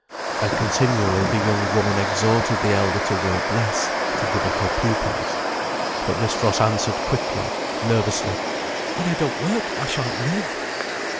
And continually the young woman exhorted the elder to work less, to give up her pupils. But Miss Frost answered quickly, nervously: "When I don't work I shan't live."